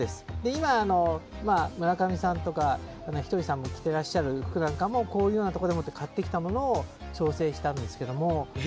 今、村上さんとかひとりさんが着ていらっしゃる服もこういうようなところで買ってきたものを調整したんですけど。